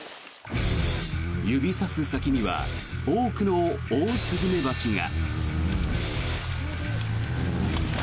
指さす先には多くのオオスズメバチが。